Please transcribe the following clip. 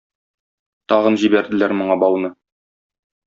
Тагын җибәрделәр моңа бауны.